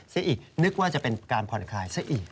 เซอีนึกว่าจะเป็นการพรณฐาคลายเซอี